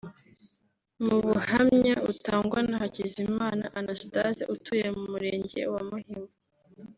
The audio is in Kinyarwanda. Mu buhamya butangwa na Hakizimana Anastase utuye mu Murenge wa Muhima